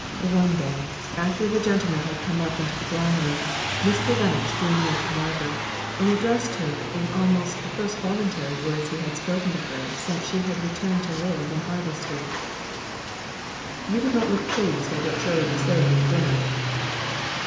One day, after the gentlemen had come up into the drawing room, Mr. Lennox drew near to Margaret, and addressed her in almost the first voluntary words he had spoken to her since she had returned to live in Harley Street. "You did not look pleased at what Shirley was saying at dinner."